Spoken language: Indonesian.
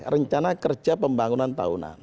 rencana kerja pembangunan tahunan